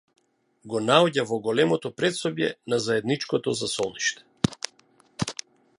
Го наоѓа во големото претсобје на заедничкото засолниште.